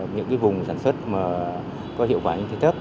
những cái vùng sản xuất mà có hiệu quả như thế thấp